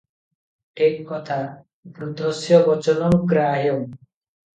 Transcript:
ଠିକ୍ କଥା, 'ବୃଦ୍ଧସ୍ୟ ବଚନଂ ଗ୍ରାହ୍ୟଂ ।